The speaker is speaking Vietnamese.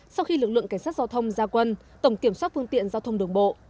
sau khi lực lượng cảnh sát giao thông ra quân tổng kiểm soát phương tiện giao thông đường bộ